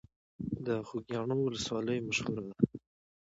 د خوږیاڼیو ولسوالۍ مشهوره ده